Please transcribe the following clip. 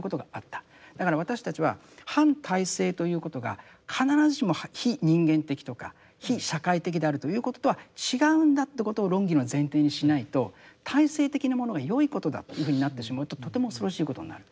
だから私たちは反体制ということが必ずしも非人間的とか非社会的であるということとは違うんだってことを論議の前提にしないと体制的なものが良いことだというふうになってしまうととても恐ろしいことになる。